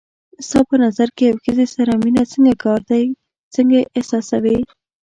ستا په نظر له یوې ښځې سره مینه څنګه کار دی، څنګه یې احساسوې؟